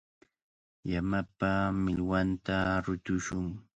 Llamapa millwanta rutushun.